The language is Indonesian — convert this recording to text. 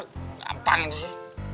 gampang itu sih